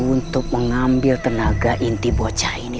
untuk mengambil tenaga inti bocah ini